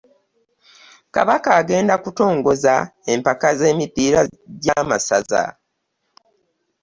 Kabaka agenda kutongoza empaka z'emipiira gy'amasaza.